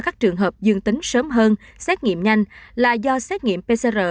các trường hợp dương tính sớm hơn xét nghiệm nhanh là do xét nghiệm pcr